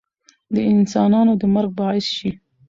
د انسانانو د مرګ باعث شي